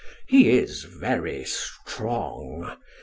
"He is very strong!"